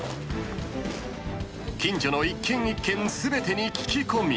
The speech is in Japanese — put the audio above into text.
［近所の一軒一軒全てに聞き込み］